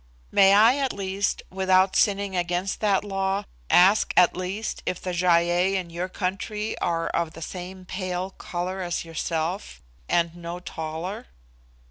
"May I, at least, without sinning against that law, ask at least if the Gy ei in your country are of the same pale colour as yourself, and no taller?"